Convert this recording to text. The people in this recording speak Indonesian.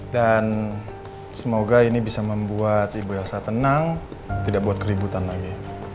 dan semoga ini bisa membuat ibu elsa tenang tidak buat keributan lagi